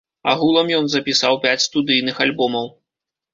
Агулам ён запісаў пяць студыйных альбомаў.